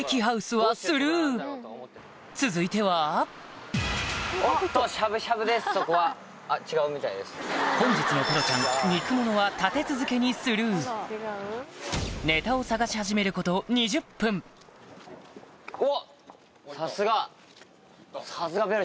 続いては本日のペロちゃん肉ものは立て続けにスルーネタを探し始めること行きましょう。